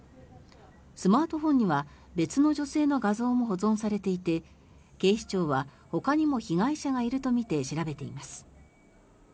スマートフォンには別の女性の画像も保存されていて警視庁はほかにも被害者がいるとみて調べています。